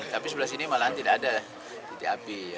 tapi sebelah sini malahan tidak ada titik api